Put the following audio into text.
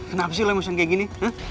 kenapa sih lo mau siang kayak gini